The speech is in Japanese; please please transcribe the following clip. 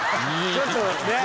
ちょっとね。